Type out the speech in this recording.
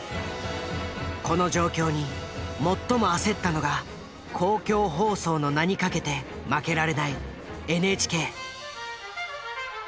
この状況に最も焦ったのが公共放送の名に懸けて負けられないＮＨＫ。